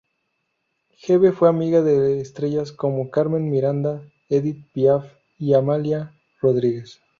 Hebe fue amiga de estrellas como Carmen Miranda, Edith Piaf y Amália Rodrigues.